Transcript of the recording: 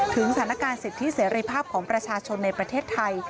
สถานการณ์สิทธิเสรีภาพของประชาชนในประเทศไทย